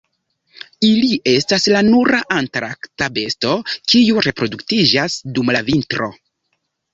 Ili estas la nura antarkta besto kiu reproduktiĝas dum la vintro.